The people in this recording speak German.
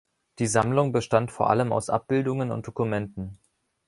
Die Sammlung bestand vor allem aus Abbildungen und Dokumenten.